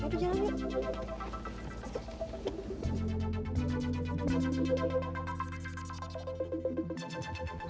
aduh jalan yuk